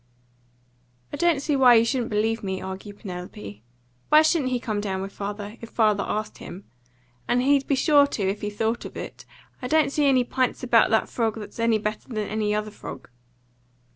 "I don't see why you shouldn't believe me," argued Penelope. "Why shouldn't he come down with father, if father asked him? and he'd be sure to if he thought of it. I don't see any p'ints about that frog that's any better than any other frog."